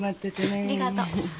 ありがと。